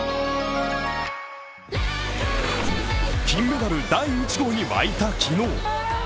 金メダル第１号に沸いた昨日。